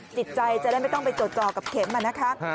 จิตใจจะได้ไม่ต้องไปจดจอกับเข็มนะคะ